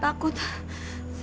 tidak ada apa apa